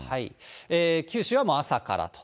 九州はもう朝からと。